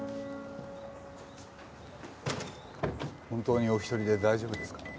本当にお一人で大丈夫ですか？